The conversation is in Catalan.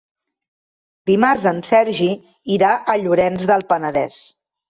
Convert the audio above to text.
Dimarts en Sergi irà a Llorenç del Penedès.